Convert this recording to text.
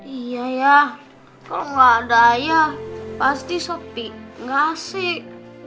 iya ya kalo gak ada ayah pasti sepi gak sih